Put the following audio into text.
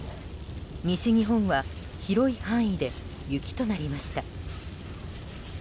西日本は広い範囲で雪となりました。